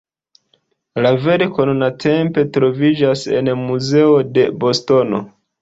La verko nuntempe troviĝas en muzeo de Bostono.